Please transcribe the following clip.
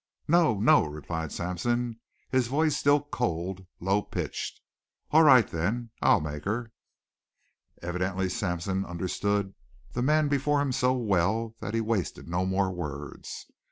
"No. No," replied Sampson, his voice still cold, low pitched. "All right. Then I'll make her." Evidently Sampson understood the man before him so well that he wasted no more words.